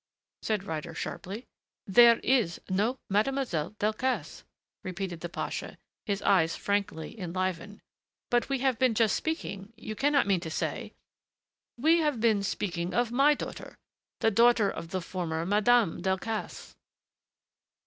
said Ryder sharply. "There is no Mademoiselle Delcassé," repeated the pasha, his eyes frankly enlivened. "But we have just been speaking you cannot mean to say " "We have been speaking of my daughter the daughter of the former Madame Delcassé."